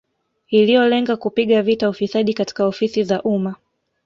Iliyolenga kupiga vita ufisadi katika ofisi za umma